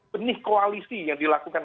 benih koalisi yang dilakukan